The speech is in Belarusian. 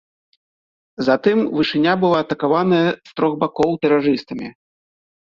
Затым вышыня была атакаваная з трох бакоў тэрарыстамі.